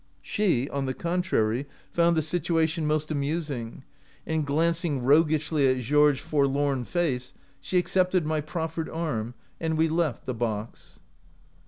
She, on the contrary, found the situation 23 OUT OF BOHEMIA most amusing, and, glancing roguishly at Georges* forlorn face, she accepted my prof fered arm, and we left the box.